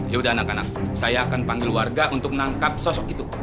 ya udah anak anak saya akan panggil warga untuk menangkap sosok itu